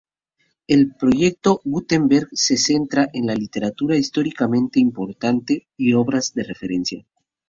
El proyecto Gutenberg se centra en la literatura históricamente importante y obras de referencia.